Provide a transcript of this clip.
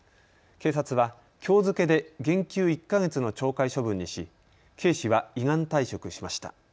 警察はきょう付けで減給１か月の懲戒処分にし警視は依願退職しました。